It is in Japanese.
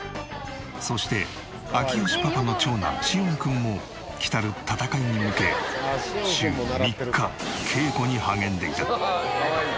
そして明慶パパの長男しおん君も来たる戦いに向け週３日稽古に励んでいた。